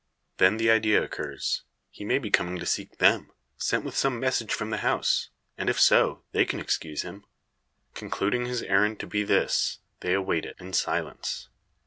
Then the idea occurs, he may be coming to seek them, sent with some message from the house, and if so, they can excuse him. Concluding his errand to be this, they await it, in silence.